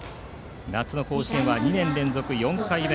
夏の甲子園は２年連続４回目。